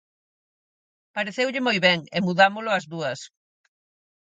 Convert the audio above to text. Pareceulle moi ben e mudámolo as dúas.